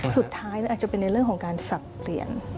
สุดท้ายอาจจะเป็นในเรื่องของการสับเปลี่ยน